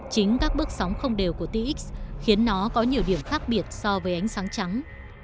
chính các bước sóng không đều của tix khiến nó có nhiều điểm khác biệt so với ánh sáng trắng